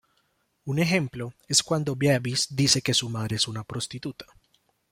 Un ejemplo es cuando Beavis dice que su madre es una prostituta.